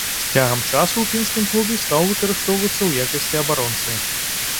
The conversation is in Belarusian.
З цягам часу ў пінскім клубе стаў выкарыстоўвацца ў якасці абаронцы.